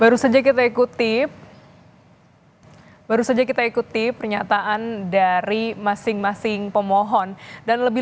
baru saja kita ikuti baru saja kita ikuti pernyataan dari masing masing pemohon dan lebih